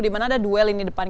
di mana ada duel lini depan